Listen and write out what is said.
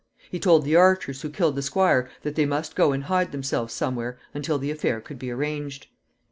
He told the archers who killed the squire that they must go and hide themselves somewhere until the affair could be arranged.